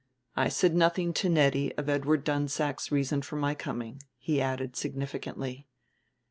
I said nothing to Nettie of Edward Dunsack's reason for my coming," he added significantly.